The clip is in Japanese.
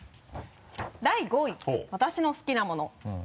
第５位私の好きなもの。